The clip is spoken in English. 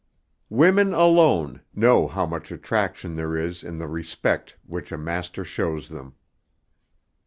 XV Women alone know how much attraction there is in the respect which a master shows them.